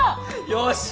よし！